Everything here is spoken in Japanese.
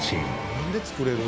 なんで作れるん？